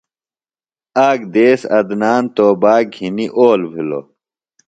آک دیس عدنان توباک گِھنی اول بِھلوۡ۔